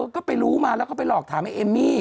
ก็ไปรู้มาแล้วก็ไปหลอกถามไอ้เอมมี่